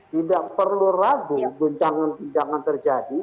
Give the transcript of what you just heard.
tidak perlu ragu gudang gudangan terjadi